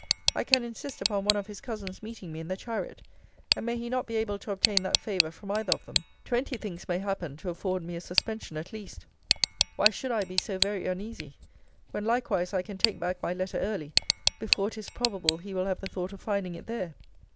I can insist upon one of his cousins meeting me in the chariot; and may he not be able to obtain that favour from either of them. Twenty things may happen to afford me a suspension at least: Why should I be so very uneasy? When likewise I can take back my letter early, before it is probable he will have the thought of finding it there.